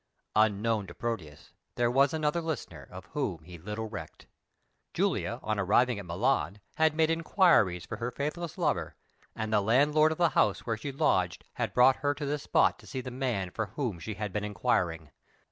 Unknown to Proteus, there was another listener, of whom he little recked. Julia, on arriving at Milan, had made inquiries for her faithless lover, and the landlord of the house where she lodged had brought her to this spot to see the man for whom she had been inquiring.